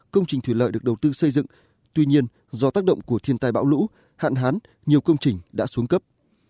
công trình thủy lợi được đầu tư xây dựng tuy nhiên do tác động của thiên tai bão lũ hạn hán nhiều công trình đã xuống cấp